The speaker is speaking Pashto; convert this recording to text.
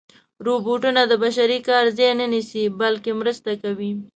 روبوټونه د بشري کار ځای نه نیسي، بلکې مرسته کوي.